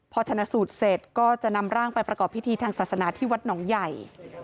พอชนะสูตรเสร็จก็จะนำร่างไปประกอบพิธีทางศาสนาที่วัดหนองใหญ่